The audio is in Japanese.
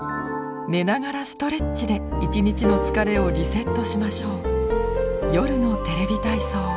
寝ながらストレッチで１日の疲れをリセットしましょう。